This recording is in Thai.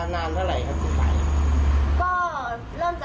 คังกูไบบ้างเดินแบบบ้าง